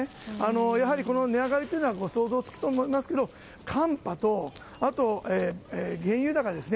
やはり、この値上がりというのは想像がつくと思いますけど寒波と、あとは原油高ですね。